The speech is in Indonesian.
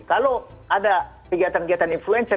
kalau ada kegiatan kegiatan influencer